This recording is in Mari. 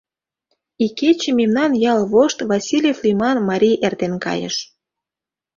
Икече мемнан ял вошт Васильев лӱман марий эртен кайыш.